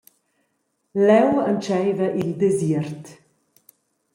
Leu entscheiva il desiert.